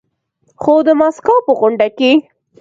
خو د ماسکو په غونډه کې